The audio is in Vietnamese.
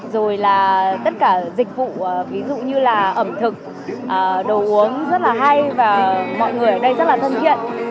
rồi là tất cả dịch vụ ví dụ như là ẩm thực đồ uống rất là hay và mọi người ở đây rất là thân thiện